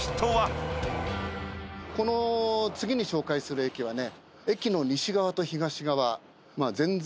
この次に紹介する駅はね。